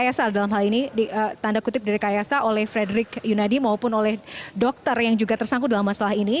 kayasal dalam hal ini tanda kutip direkayasa oleh frederick yunadi maupun oleh dokter yang juga tersangkut dalam masalah ini